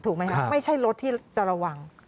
ถูกไหมครับไม่ใช่รถที่จะระวัง